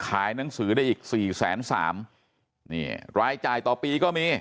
ขายหนังสือได้อีกสี่แสนสามนี่รายจ่ายต่อปีก็มี